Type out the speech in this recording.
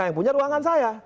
yang punya ruangan saya